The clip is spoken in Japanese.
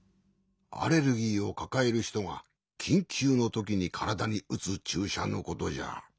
アレルギーをかかえるひとがきんきゅうのときにからだにうつちゅうしゃのことじゃ。